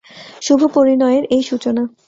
শুভপরিণয়ের এই সূচনা।